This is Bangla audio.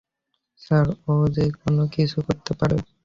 স্যার, ও যেকোন কিছু করতে পারে।